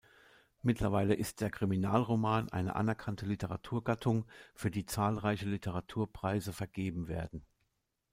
Mittlerweile ist der Kriminalroman eine anerkannte Literaturgattung, für die zahlreiche Literaturpreise vergeben werden.